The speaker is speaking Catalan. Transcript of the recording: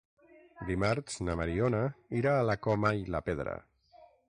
Dimarts na Mariona irà a la Coma i la Pedra.